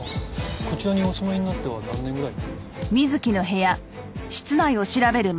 こちらにお住まいになって何年ぐらい？